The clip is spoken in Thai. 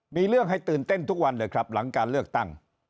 มีเรื่องให้ตื่นเต้นทุกวันเลยครับหลังการเลือกตั้ง